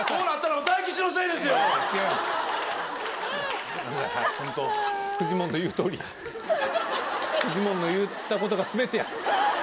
はいホントフジモンの言ったことが全てや！